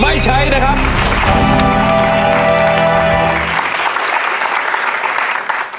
ไม่ใช้นะครับ